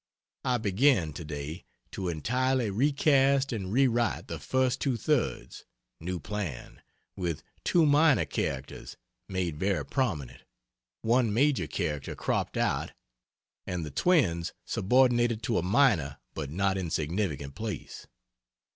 I begin, to day, to entirely recast and re write the first two thirds new plan, with two minor characters, made very prominent, one major character cropped out, and the Twins subordinated to a minor but not insignificant place.